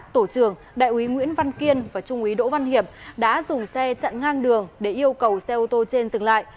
tổ trưởng đại úy nguyễn văn kiên và trung úy đỗ văn hiệp đã dùng xe chặn ngang đường để yêu cầu xe ô tô trên dừng lại